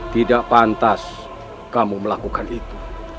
tidak pantas kamu melakukan itu